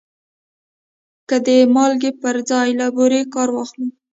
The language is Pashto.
که د مالګې پر ځای له بورې کار واخلو؟